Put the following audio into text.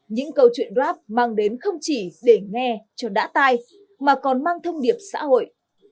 những câu chuyện rap mang đến không chỉ để nghe cho đã tai mà còn mang thông điệp xã hội